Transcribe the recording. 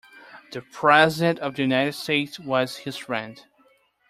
The President of the United States was his friend.